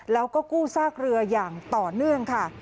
แล้วก็กู้ซากเรืออย่างต่อเนื่องค่ะ